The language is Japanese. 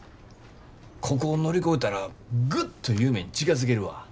ここを乗り越えたらグッと夢に近づけるわ。